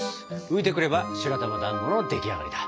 浮いてくれば白玉だんごの出来上がりだ！